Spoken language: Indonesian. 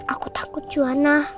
aku takut juana